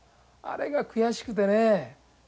あれが悔しくてね。